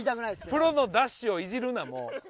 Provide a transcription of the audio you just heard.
プロのダッシュをいじるなもう。